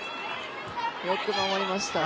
よく守りましたね。